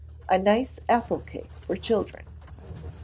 A nice Apple Cake for Children.